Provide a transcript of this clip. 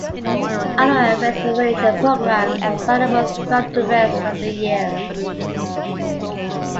Other events and ranger programs are available throughout the rest of the year.